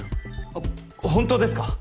あっ本当ですか？